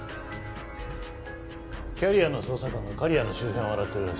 キャリアの捜査官が刈谷の周辺を洗ってるらしい。